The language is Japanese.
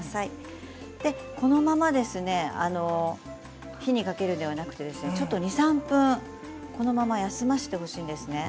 このまま火にかけるのではなくて２、３分、このまま休ませてほしいんです。